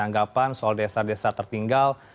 anggapan soal desa desa tertinggal